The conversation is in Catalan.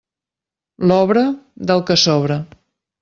L'obra, del que sobra.